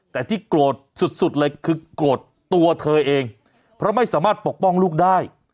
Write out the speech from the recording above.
แต่ที่โกรธสุดเลยคือโกรธตัวเธอเองเพราะไม่สามารถปกป้องลูกได้